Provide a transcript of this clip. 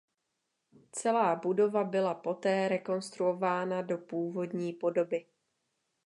Celá budova byla poté rekonstruována do původní podoby.